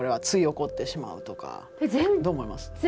つい怒ってしまうとかどう思います？